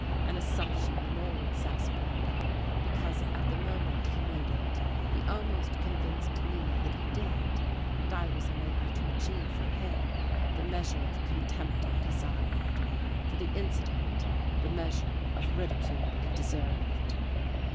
an assumption the more exasperating because at the moment he made it he almost convinced me that he did, and I was unable to achieve for him the measure of contempt I desired, for the incident, the measure of ridicule it deserved.